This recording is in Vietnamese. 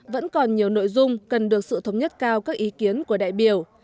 vẫn còn nhiều nội dung cần được sự thống nhất cao các ý kiến của đại biểu